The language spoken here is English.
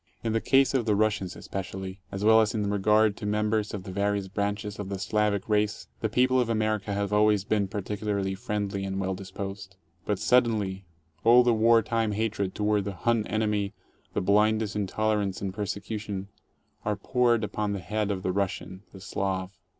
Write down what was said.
In the case of the Russians especially, as well as in regard to members of the various branches of the Slavic race, the people of America have always been particularly friendly and well disposed. But sud denly all the war time hatred toward the "Him enemy," the blindest intolerance and persecution are poured upon the head of the Rus sian, the Slav.